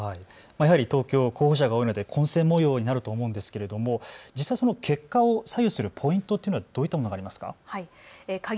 やはり東京、候補者が多いので混戦もようになると思うのですが、その結果を左右するポイントはどういったものがありますか。